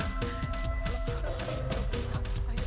eh sendirian aja